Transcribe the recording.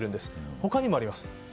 他にもあります。